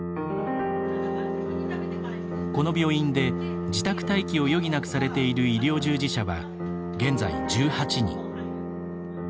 この病院で自宅待機を余儀なくされている医療従事者は現在１８人。